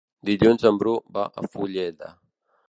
Dilluns en Bru va a Fulleda.